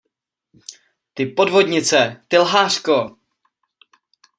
Ty podvodnice, ty lhářko!